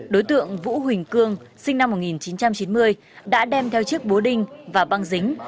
đối tượng vũ huỳnh cương sinh năm một nghìn chín trăm chín mươi đã đem theo chiếc búa đinh và băng dính